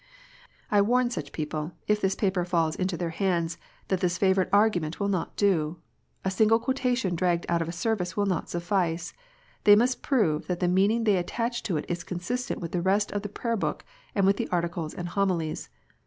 I warn such people, if this paper falls in their hands, that this favourite argument will not do. A single quotation dragged out of a Service will not suffice. They must prove that the meaning they attach to it is consistent with the rest of the Prayer book, and with the Articles and Homilies.